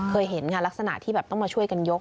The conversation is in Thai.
เคยเห็นค่ะลักษณะที่แบบต้องมาช่วยกันยก